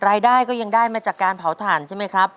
ก็ยังได้มาจากการเผาถ่านใช่ไหมครับ